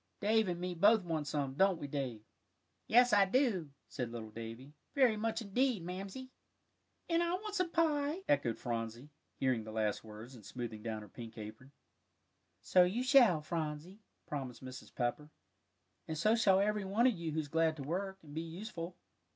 "Dave and me both want some; don't we, Dave?" "Yes, I do," said little Davie, "very much indeed, Mamsie." "And I want some pie," echoed Phronsie, hearing the last words, and smoothing down her pink apron. "So you shall have, Phronsie," promised Mrs. Pepper, "and so shall every one of you who's glad to work, and be useful."